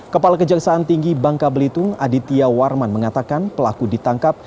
kepala kejaksaan tinggi bangka belitung aditya warman mengatakan pelaku ditangkap